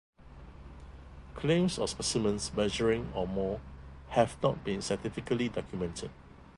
Claims of specimens measuring or more have not been scientifically documented.